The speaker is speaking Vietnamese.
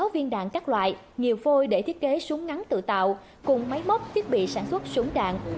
ba mươi sáu viên đạn các loại nhiều vôi để thiết kế súng ngắn tự tạo cùng máy móc thiết bị sản xuất súng đạn